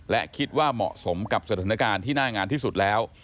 และคิดว่าเหมาะสมกับสถานการณ์ที่หน้างานที่สุดแล้ว